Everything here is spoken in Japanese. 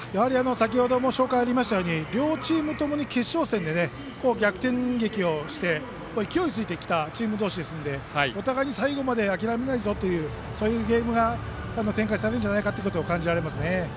先程も紹介があったように両チームとも決勝戦で逆転劇をして勢いづいてきたチームですのでお互いに最後まで諦めないゲームが展開されるんじゃないかと感じられますね。